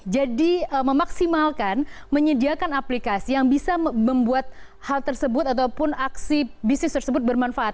jadi memaksimalkan menyediakan aplikasi yang bisa membuat hal tersebut ataupun aksi bisnis tersebut bermanfaat